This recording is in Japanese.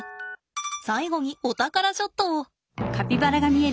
最後にお宝ショットを。